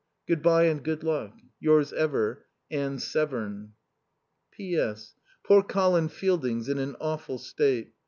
Good bye and Good Luck, Yours ever, Anne Severn. P. S. Poor Colin Fielding's in an awful state.